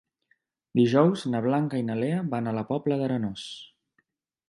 Dijous na Blanca i na Lea van a la Pobla d'Arenós.